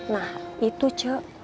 nah itu ce